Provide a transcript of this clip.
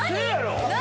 何？